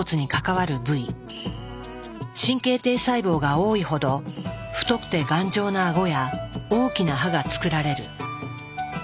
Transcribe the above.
神経堤細胞が多いほど太くて頑丈な顎や大きな歯がつくられる。